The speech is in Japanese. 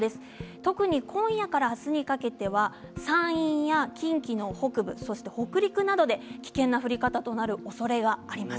特に今夜から明日にかけては山陰地方や近畿地方の北部北陸などで危険な降り方となるおそれがあります。